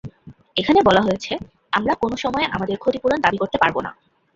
এখানে বলা হয়েছে, আমরা কোনো সময়ে আমাদের ক্ষতিপূরণ দাবি করতে পারব না।